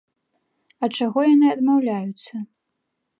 Ад чаго яны адмаўляюцца?